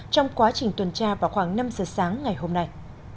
trong quá trình tuần tra vào khoảng năm giờ sáng ngày hôm nay